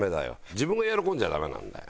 自分が喜んじゃダメなんだよ。